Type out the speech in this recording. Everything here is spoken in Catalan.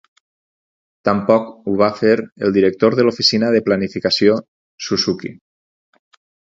Tampoc ho va fer el director de l'Oficina de Planificació Suzuki.